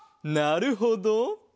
なるほど。